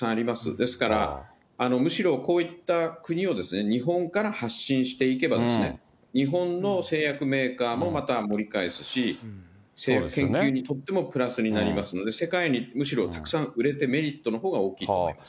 ですから、むしろこういった国を、日本から発信していけばですね、日本の製薬メーカーもまた盛り返すし、研究にとってもプラスになりますので、世界にむしろたくさん売れて、メリットのほうが大きいと思います